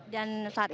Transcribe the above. dan saat itu